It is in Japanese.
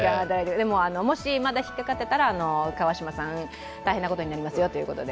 でも、もしまだ引っかかってたら川島さん、大変なことになりますよということで。